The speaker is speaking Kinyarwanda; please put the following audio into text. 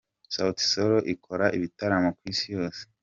Sauti sol ikora ibitaramo ku isi yose.